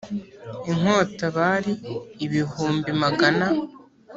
inkota bari ibihumbi magana